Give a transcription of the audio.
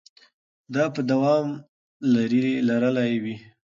دا به دوام لرلی وي.